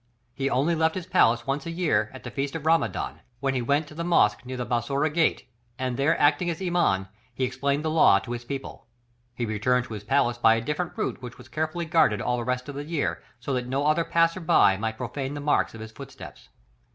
He only left his palace once a year, at the feast of Ramadan, when he went to the mosque near the Bassorah gate, and there acting as Iman, he explained the law to his people. He returned to his palace by a different route which was carefully guarded all the rest of the year, so that no other passer by might profane the marks of his footsteps.